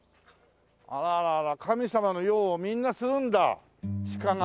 あらあら神様の用をみんなするんだ鹿が。